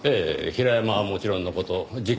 平山はもちろんの事実